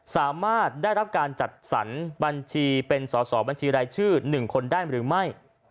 สามารถได้รับการจัดสรรบัญชีเป็นสอสอบัญชีรายชื่อ๑คนได้หรือไม่